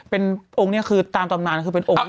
เป็นองค์นี้คือตามตำนานคือเป็นองค์